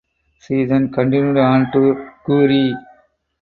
She then continued on to Kure.